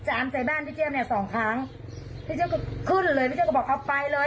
อามใส่บ้านพี่เจียมเนี่ยสองครั้งพี่เจี๊ยก็ขึ้นเลยพี่เจี๊ก็บอกเอาไปเลย